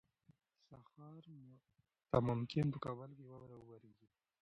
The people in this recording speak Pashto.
سهار ته ممکن په کابل کې واوره ووریږي.